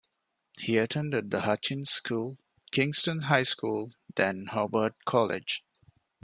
He attended the Hutchins School, Kingston High School, then Hobart College.